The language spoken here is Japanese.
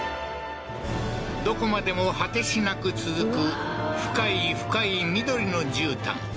どこまでも果てしなく続く深い深い緑のじゅうたん